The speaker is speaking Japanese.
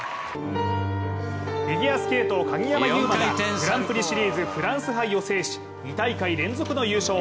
フィギュアスケート・鍵山優真がグランプリシリーズフランス杯を制し２大会連続の優勝。